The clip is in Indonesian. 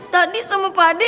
tadi sama padi